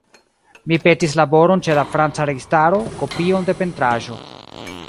Mi petis laboron ĉe la franca registaro, kopion de pentraĵo.